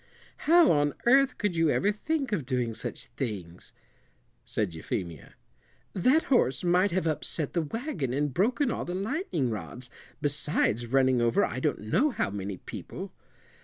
"How on earth could you ever think of doing such things?" said Euphemia. "That horse might have upset the wagon and broken all the lightning rods, besides running over I don't know how many people."